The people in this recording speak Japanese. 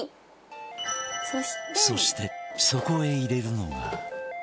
そしてそこへ入れるのが